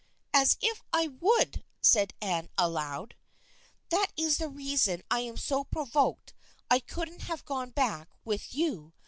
(" As if I would !" said Anne aloud.) " That is the reason I am so provoked I couldn't have gone back with you.